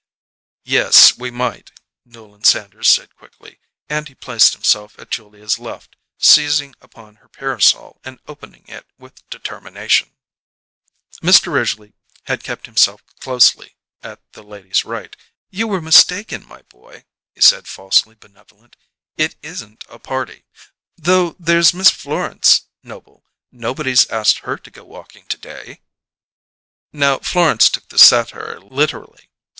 "Yes, we might," Newland Sanders said quickly; and he placed himself at Julia's left, seizing upon her parasol and opening it with determination. Mr. Ridgely had kept himself closely at the lady's right. "You were mistaken, my boy," he said, falsely benevolent. "It isn't a party though there's Miss Florence, Noble. Nobody's asked her to go walking to day!" Now, Florence took this satire literally.